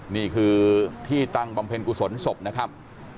นี่คือที่ตั้งบำเพ็ญกุศลศพนะครับ